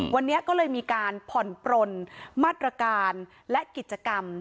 วันนี้ก็เลยมีการผ่อนปลนมาตรการและกิจกรรม